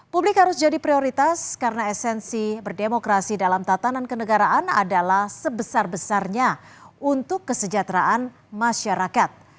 publik harus jadi prioritas karena esensi berdemokrasi dalam tatanan kenegaraan adalah sebesar besarnya untuk kesejahteraan masyarakat